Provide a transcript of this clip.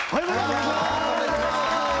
お願いしまーす！